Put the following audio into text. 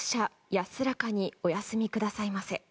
安らかにお休みくださいませ。